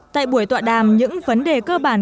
tại buổi tọa đàm những vấn đề cơ bản